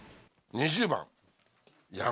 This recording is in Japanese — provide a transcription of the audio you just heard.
２０番。